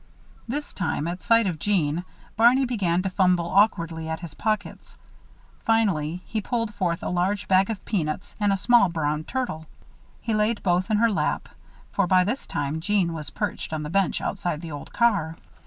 This time, at sight of Jeanne, Barney began to fumble awkwardly at his pockets. Finally he pulled forth a large bag of peanuts and a small brown turtle. He laid both in her lap, for by this time Jeanne was perched on the bench outside the old car.